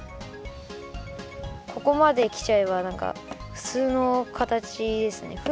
ここまできちゃえばなんかふつうの形ですね。